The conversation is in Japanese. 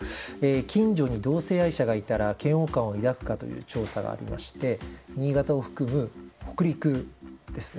近所に同性愛者がいたら嫌悪感を抱くかという調査がありまして新潟を含む北陸ですね